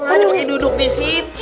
aduh duduk di situ